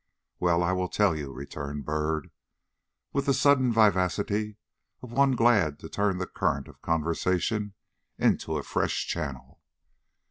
"Well I will tell you," returned Byrd, with the sudden vivacity of one glad to turn the current of conversation into a fresh channel.